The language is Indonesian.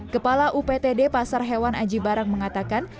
kepala uptd pasar hewan aji barang mengatakan